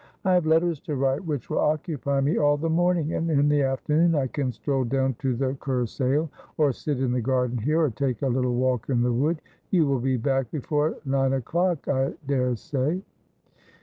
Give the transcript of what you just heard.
I have letters to write which will occupy me all the morning, and in the afternoon I can stroll down to the Kursaal, or sit in the garden here, or take a little walk in the wood. You will be back before nine o'clock, I daresay.'